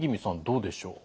どうでしょう？